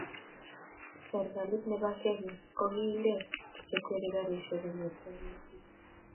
serekalit nebo kenya ko kindei chekwerie karishek konyor kaimutit